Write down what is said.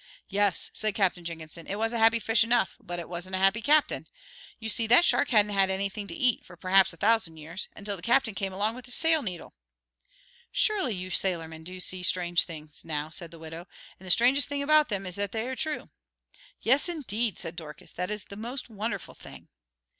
"Yes," said Captain Jenkinson, "it was a happy fish enough, but it wasn't a happy captain. You see, that shark hadn't had anything to eat, perhaps for a thousand years, until the captain came along with his sail needle." "Surely you sailormen do see strange things," now said the widow, "and the strangest thing about them is that they are true." "Yes, indeed," said Dorcas, "that is the most wonderful thing."